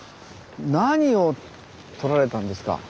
何を取られたんですか？